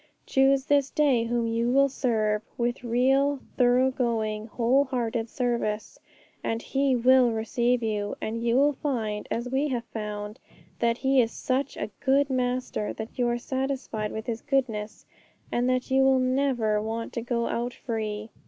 Choose this day whom you will serve with real, thorough going, whole hearted service, and He will receive you; and you will find, as we have found, that He is such a good Master that you are satisfied with His goodness, and that you will never want to go out free.